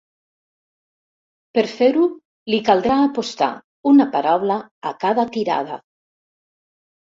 Per fer-ho li caldrà apostar una paraula a cada tirada.